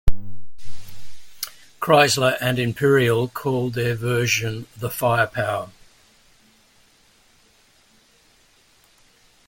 Chrysler and Imperial called their versions the "FirePower".